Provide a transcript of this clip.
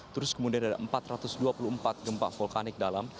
terus kemudian ada empat ratus dua puluh empat gempa vulkanik dalam